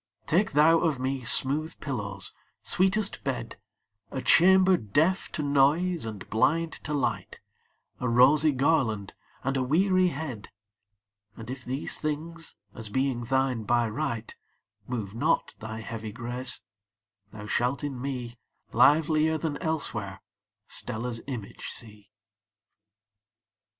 Take thou of me smooth pillows, sweetest bed, A chamber deaf of noise and blind of light, A rosy garland and a weary head: And if these things, as being thine in right, Move not thy heavy grace, thou shalt in me, Livelier than elsewhere, Stella's image see.